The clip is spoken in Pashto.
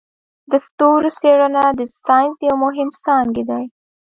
د ستورو څیړنه د ساینس یو مهم څانګی دی.